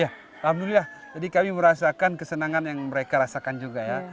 ya alhamdulillah jadi kami merasakan kesenangan yang mereka rasakan juga ya